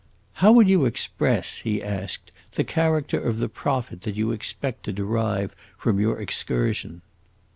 "How would you express," he asked, "the character of the profit that you expect to derive from your excursion?"